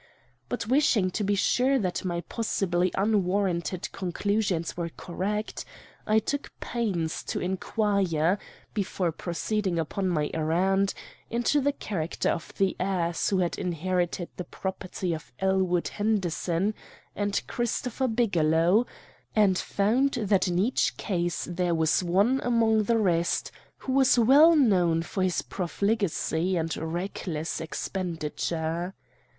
But, wishing to be sure that my possibly unwarranted conclusions were correct, I took pains to inquire, before proceeding upon my errand, into the character of the heirs who had inherited the property of Elwood Henderson and Christopher Bigelow, and found that in each case there was one among the rest who was well known for his profligacy and reckless expenditure.